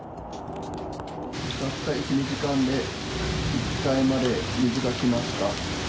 たった１、２時間で１階まで水が来ました。